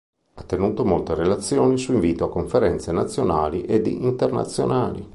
Ha tenuto molte relazioni su invito a conferenze nazionali ed internazionali.